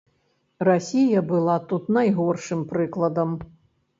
Расія была тут найгоршым прыкладам.